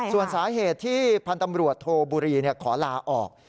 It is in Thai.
ส่วนสาเหตุที่พันธ์ตำรวจโทบุรีขอลาออก